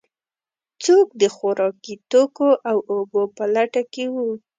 څوک د خوراکي توکو او اوبو په لټه کې و.